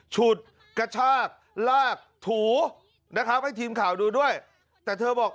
ฉุดกระชากลากถูนะครับให้ทีมข่าวดูด้วยแต่เธอบอก